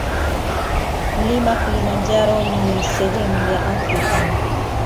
Mlima kilimanjaro mi sehemu ya afrika